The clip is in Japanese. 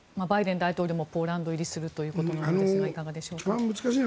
バイデン大統領もポーランド入りするようですがいかがでしょうか？